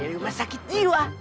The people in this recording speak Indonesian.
rumah sakit jiwa